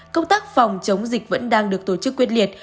công tác phòng chống dịch vẫn đang được tổ chức quyết liệt